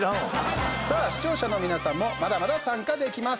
さあ、視聴者の皆さんもまだまだ参加できます。